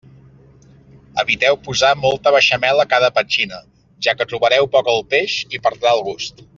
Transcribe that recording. Eviteu posar molta beixamel a cada petxina, ja que trobareu poc el peix i perdrà el gust.